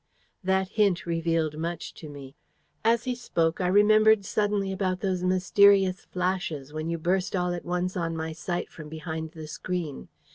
"That hint revealed much to me. As he spoke, I remembered suddenly about those mysterious flashes when you burst all at once on my sight from behind the screen.